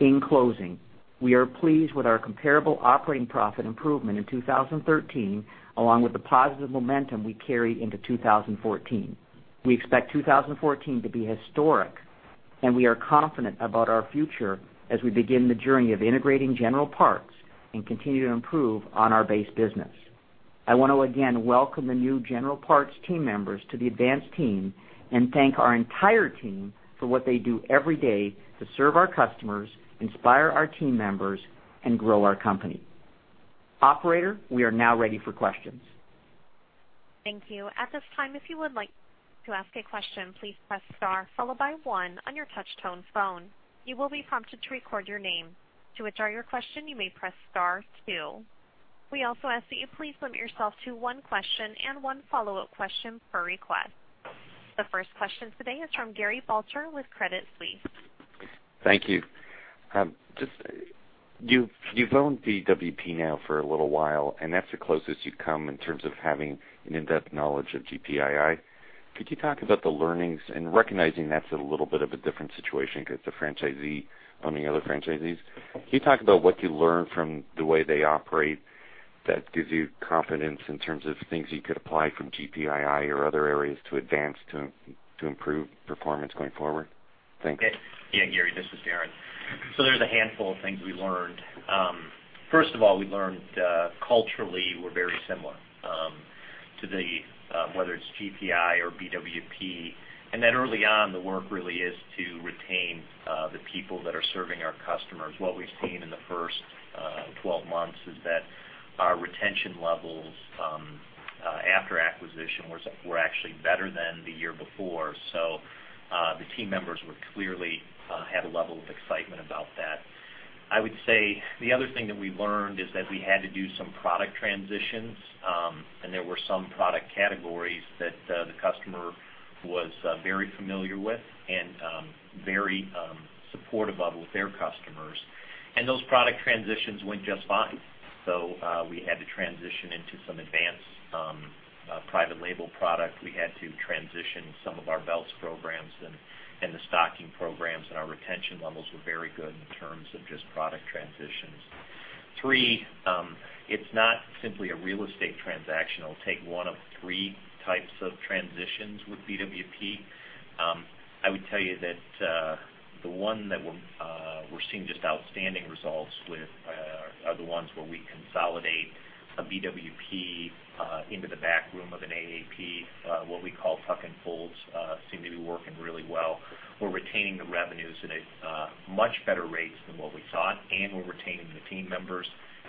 Speaker 5: In closing, we are pleased with our comparable operating profit improvement in 2013, along with the positive momentum we carry into 2014. We expect 2014 to be historic, we are confident about our future as we begin the journey of integrating General Parts and continue to improve on our base business. I want to again welcome the new General Parts team members to the Advance team and thank our entire team for what they do every day to serve our customers, inspire our team members, and grow our company. Operator, we are now ready for questions.
Speaker 1: Thank you. At this time, if you would like to ask a question, please press star followed by one on your touch-tone phone. You will be prompted to record your name. To withdraw your question, you may press star two. We also ask that you please limit yourself to one question and one follow-up question per request. The first question today is from Gary Balter with Credit Suisse.
Speaker 6: Thank you. You've owned BWP now for a little while, and that's the closest you've come in terms of having an in-depth knowledge of GPI. Could you talk about the learnings and recognizing that's a little bit of a different situation because the franchisee owning other franchisees? Can you talk about what you learned from the way they operate that gives you confidence in terms of things you could apply from GPI or other areas to Advance to improve performance going forward? Thanks.
Speaker 3: Yeah, Gary, this is Darren. There's a handful of things we learned. First of all, we learned culturally, we're very similar. Whether it's GPI or BWP, early on, the work really is to retain the people that are serving our customers. What we've seen in the first 12 months is that our retention levels after acquisition were actually better than the year before. The team members clearly had a level of excitement about that. I would say the other thing that we learned is that we had to do some product transitions, and there were some product categories that the customer was very familiar with and very supportive of with their customers. Those product transitions went just fine. We had to transition into some Advance private label product. We had to transition some of our belts programs and the stocking programs, and our retention levels were very good in terms of just product transitions. Three, it's not simply a real estate transaction. It'll take one of three types of transitions with BWP. I would tell you that the one that we're seeing just outstanding results with are the ones where we consolidate a BWP into the back room of an AAP, what we call tuck-ins, seem to be working really well. We're retaining the revenues at a much better rate than what we thought, and we're retaining the team members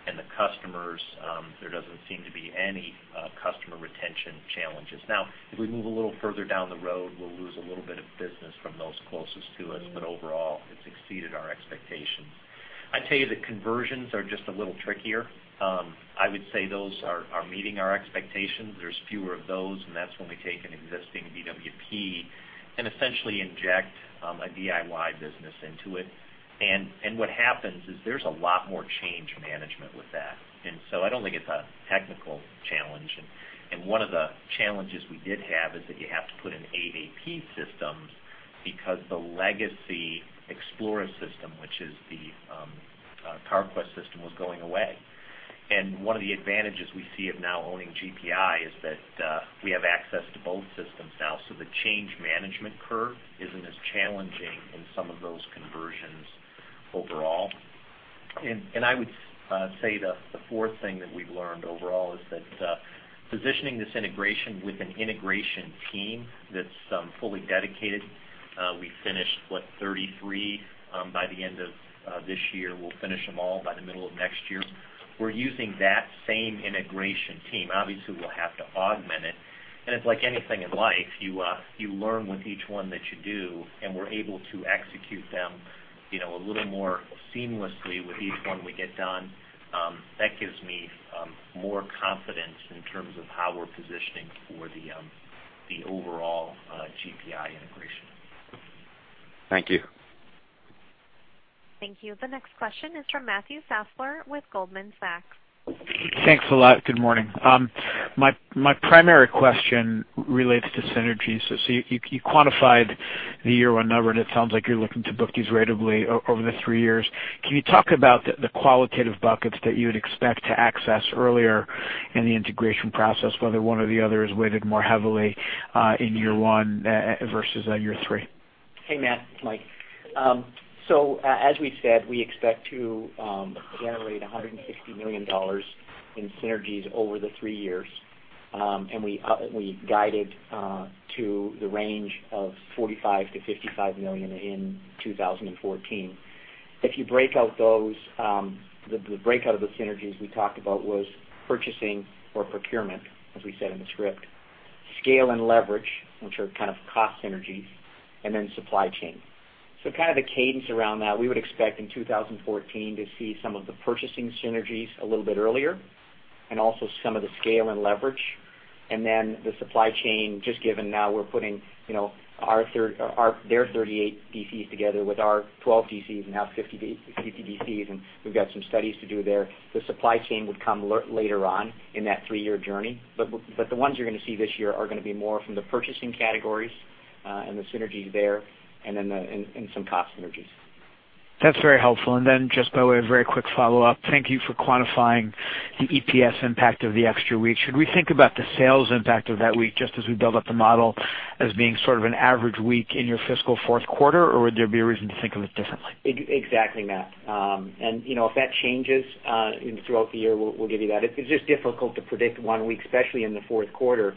Speaker 3: and the customers. There doesn't seem to be any customer retention challenges. Now, if we move a little further down the road, we'll lose a little bit of business from those closest to us, but overall, it's exceeded our expectations. I'd tell you that conversions are just a little trickier. I would say those are meeting our expectations. There's fewer of those, and that's when we take an existing BWP and essentially inject a DIY business into it. What happens is there's a lot more change management with that. I don't think it's a technical challenge. One of the challenges we did have is that you have to put in AAP systems because the legacy Exploris system, which is the PowerQuest system, was going away. One of the advantages we see of now owning GPI is that we have access to both systems now. The change management curve isn't as challenging in some of those conversions overall. I would say the fourth thing that we've learned overall is that positioning this integration with an integration team that's fully dedicated, we finished, what, 33 by the end of this year. We'll finish them all by the middle of next year. We're using that same integration team. Obviously, we'll have to augment it's like anything in life, you learn with each one that you do, we're able to execute them a little more seamlessly with each one we get done. That gives me more confidence in terms of how we're positioning for the overall GPI integration.
Speaker 6: Thank you.
Speaker 1: Thank you. The next question is from Matthew Fassler with Goldman Sachs.
Speaker 7: Thanks a lot. Good morning. My primary question relates to synergies. You quantified the year one number, and it sounds like you're looking to book these ratably over the three years. Can you talk about the qualitative buckets that you would expect to access earlier in the integration process, whether one or the other is weighted more heavily in year one versus year three?
Speaker 5: Hey, Matt. Mike. As we said, we expect to generate $160 million in synergies over the three years, and we guided to the range of $45 million-$55 million in 2014. If you break out those, the breakout of the synergies we talked about was purchasing or procurement, as we said in the script, scale and leverage, which are kind of cost synergies, and then supply chain. Kind of the cadence around that, we would expect in 2014 to see some of the purchasing synergies a little bit earlier and also some of the scale and leverage. The supply chain, just given now we're putting their 38 DCs together with our 12 DCs, now 50 DCs, and we've got some studies to do there. The supply chain would come later on in that three-year journey.
Speaker 3: The ones you're going to see this year are going to be more from the purchasing categories, and the synergies there, and some cost synergies.
Speaker 7: That's very helpful. Then just by way of very quick follow-up, thank you for quantifying the EPS impact of the extra week. Should we think about the sales impact of that week, just as we build up the model as being sort of an average week in your fiscal fourth quarter, or would there be a reason to think of it differently?
Speaker 3: Exactly, Matt. If that changes throughout the year, we'll give you that. It's just difficult to predict one week, especially in the fourth quarter,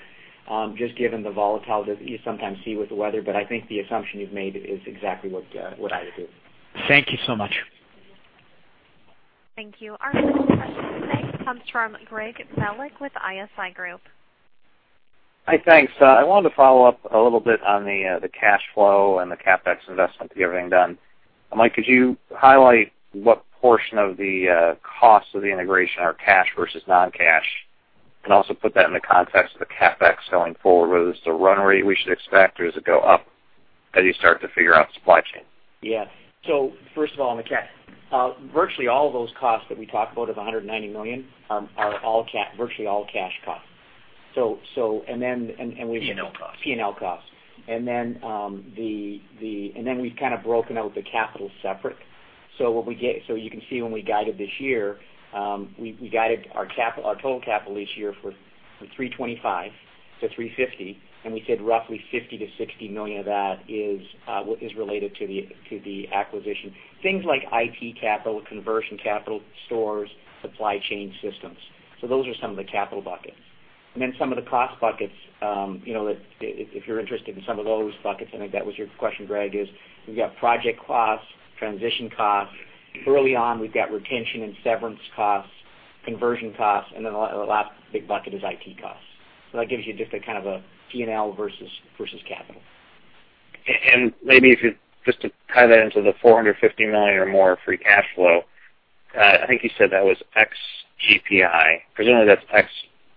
Speaker 3: just given the volatility that you sometimes see with the weather. I think the assumption you've made is exactly what I would do.
Speaker 7: Thank you so much.
Speaker 1: Thank you. Our next question comes from Greg Melich with ISI Group.
Speaker 8: Hi, thanks. I wanted to follow up a little bit on the cash flow and the CapEx investment that you're getting done. Mike, could you highlight what portion of the cost of the integration are cash versus non-cash, and also put that in the context of the CapEx going forward, whether it's the run rate we should expect or does it go up as you start to figure out supply chain?
Speaker 5: Yeah. First of all, on virtually all those costs that we talked about of $190 million are virtually all cash costs.
Speaker 8: P&L costs.
Speaker 5: P&L costs. We've kind of broken out the capital separate. You can see when we guided this year, we guided our total capital this year for $325 To $350, we said roughly $50 million-$60 million of that is related to the acquisition. Things like IT capital, conversion capital, stores, supply chain systems. Those are some of the capital buckets. Some of the cost buckets, if you're interested in some of those buckets, I think that was your question, Greg, is we've got project costs, transition costs. Early on, we've got retention and severance costs, conversion costs, the last big bucket is IT costs. That gives you just a P&L versus capital.
Speaker 8: Maybe if you, just to tie that into the $450 million or more of free cash flow, I think you said that was ex GPI. Presumably that's ex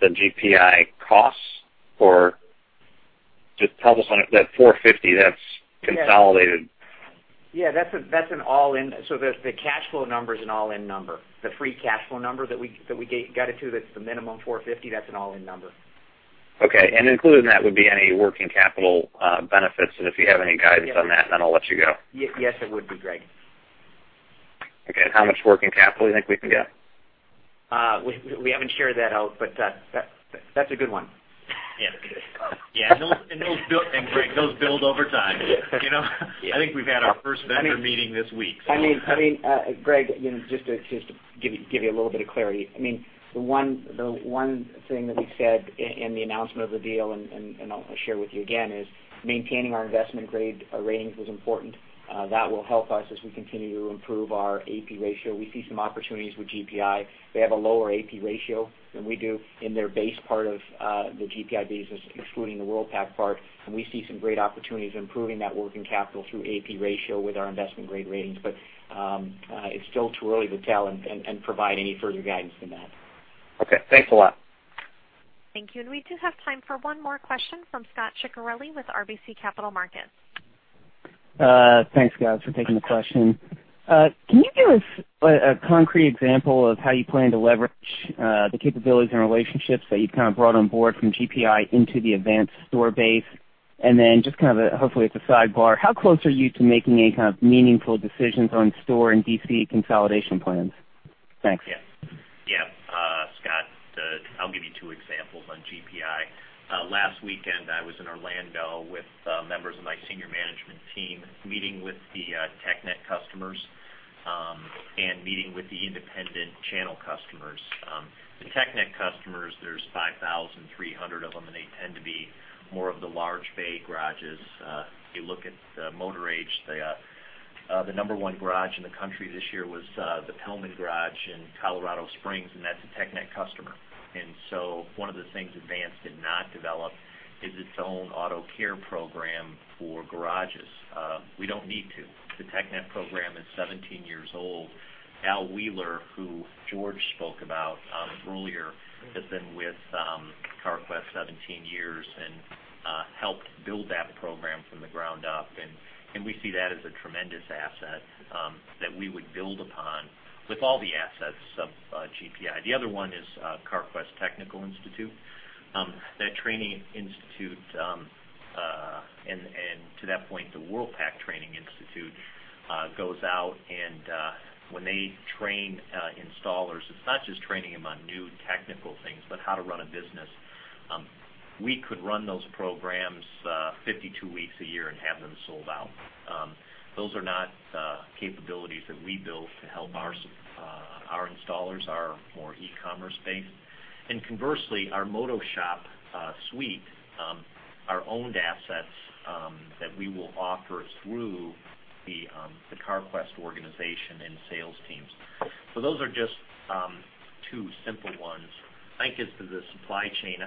Speaker 8: the GPI costs? Just tell us, that $450, that's consolidated.
Speaker 5: The cash flow number is an all-in number. The free cash flow number that we got it to, that's the minimum $450, that's an all-in number.
Speaker 8: Okay. Included in that would be any working capital benefits, if you have any guidance on that, I'll let you go.
Speaker 5: Yes, it would be, Greg.
Speaker 8: Okay. How much working capital do you think we can get?
Speaker 5: We haven't shared that out, that's a good one.
Speaker 3: Those build over time. I think we've had our first vendor meeting this week.
Speaker 5: Greg, just to give you a little bit of clarity. The one thing that we said in the announcement of the deal, and I'll share with you again, is maintaining our investment-grade ratings was important. That will help us as we continue to improve our AP ratio. We see some opportunities with GPI. They have a lower AP ratio than we do in their base part of the GPI business, excluding the Worldpac part. We see some great opportunities improving that working capital through AP ratio with our investment-grade ratings. It's still too early to tell and provide any further guidance than that.
Speaker 8: Okay. Thanks a lot.
Speaker 1: Thank you. We do have time for one more question from Scot Ciccarelli with RBC Capital Markets.
Speaker 9: Thanks, guys, for taking the question. Can you give us a concrete example of how you plan to leverage the capabilities and relationships that you've brought on board from GPI into the Advance store base? Then, hopefully as a sidebar, how close are you to making any kind of meaningful decisions on store and DC consolidation plans? Thanks.
Speaker 3: Yeah. Scot, I'll give you two examples on GPI. Last weekend, I was in Orlando with members of my senior management team, meeting with the TechNet customers, and meeting with the independent channel customers. The TechNet customers, there's 5,300 of them, and they tend to be more of the large bay garages. If you look at the Motor Age, the number one garage in the country this year was the Pillman's Garage in Colorado Springs, and that's a TechNet customer. One of the things Advance did not develop is its own auto care program for garages. We don't need to. The TechNet program is 17 years old. Al Wheeler, who George spoke about earlier, has been with Carquest 17 years and helped build that program from the ground up. We see that as a tremendous asset that we would build upon with all the assets of GPI. The other one is Carquest Technical Institute. That training institute, and to that point, the Worldpac Training Institute, goes out and when they train installers, it's not just training them on new technical things, but how to run a business. We could run those programs 52 weeks a year and have them sold out. Those are not capabilities that we built to help our installers, our more e-commerce base. Conversely, our MotoLogic suite, our owned assets that we will offer through the Carquest organization and sales teams. Those are just two simple ones. I think as to the supply chain,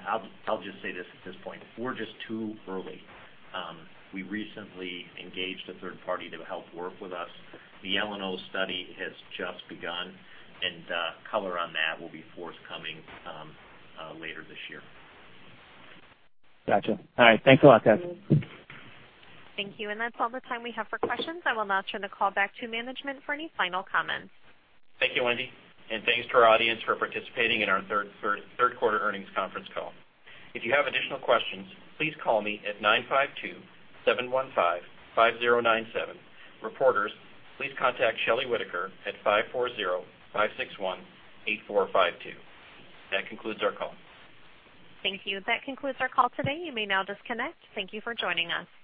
Speaker 3: I'll just say this at this point. We're just too early. We recently engaged a third party to help work with us. The L&O study has just begun, color on that will be forthcoming later this year.
Speaker 9: Got you. All right. Thanks a lot, guys.
Speaker 1: Thank you. That's all the time we have for questions. I will now turn the call back to management for any final comments.
Speaker 3: Thank you, Wendy. Thanks to our audience for participating in our third quarter earnings conference call. If you have additional questions, please call me at 952-715-5097. Reporters, please contact Shelly Whitaker at 540-561-8452. That concludes our call.
Speaker 1: Thank you. That concludes our call today. You may now disconnect. Thank you for joining us.